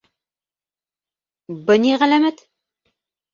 Бы ни ғәләмәт?!